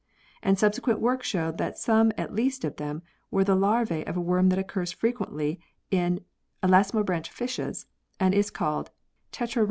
and subsequent work showed that some at least of them were the larvae of a worm that occurs frequently in Elasmobranch fishes and is called Tetrarhynchus (fig.